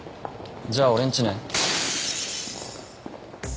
じゃあ俺んちね。